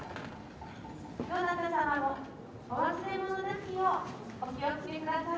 どなた様もお忘れ物なきようお気を付けください。